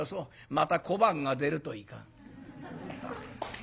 また小判が出るといかん」。